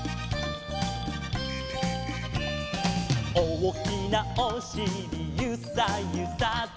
「おおきなおしりゆさゆさと」